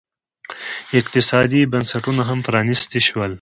اقتصادي بنسټونه هم پرانیستي شول.